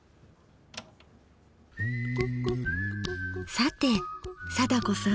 さて貞子さん。